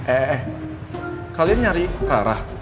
eh eh eh kalian nyari rara